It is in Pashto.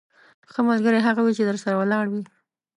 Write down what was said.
ښه ملګری هغه وي چې درسره ولاړ وي.